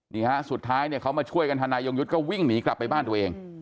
นี่ฮะสุดท้ายเนี่ยเขามาช่วยกันธนายงยุทธ์ก็วิ่งหนีกลับไปบ้านตัวเอง